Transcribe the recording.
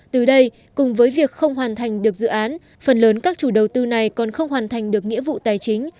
từ đây cùng với việc không hoàn thành được dự án phần lớn các chủ đầu tư này còn không hoàn thành được nghĩa vụ tài chính